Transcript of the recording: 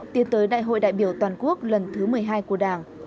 tiến tới đại hội đại biểu toàn quốc lần thứ một mươi hai của đảng